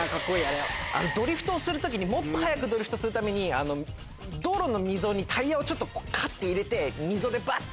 ドリフトをする時にもっと速くドリフトするために道路の溝にタイヤをカッ！て入れて溝でバッ！